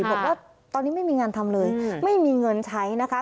บอกว่าตอนนี้ไม่มีงานทำเลยไม่มีเงินใช้นะคะ